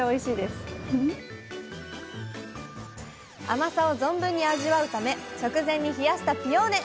甘さを存分に味わうため直前に冷やしたピオーネ。